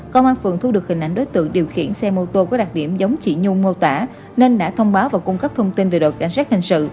công an phường thu được hình ảnh đối tượng điều khiển xe mô tô có đặc điểm giống chị nhung mô tả nên đã thông báo và cung cấp thông tin về đội cảnh sát hình sự